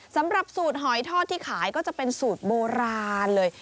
สำหรับสูตรหอยทอดที่ขายก็จะเป็นสูตรโบราณเลย